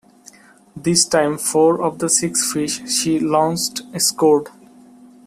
This time, four of the six fish she launched scored.